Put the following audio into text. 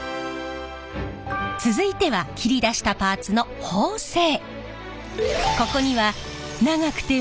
続いては切り出したパーツの縫製。